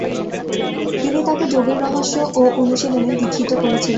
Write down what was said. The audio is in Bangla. তিনি তাঁকে যোগের রহস্য ও অনুশীলনে দীক্ষিত করেছিলেন।